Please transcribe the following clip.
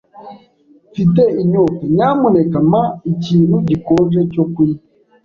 Mfite inyota. Nyamuneka mpa ikintu gikonje cyo kunywa.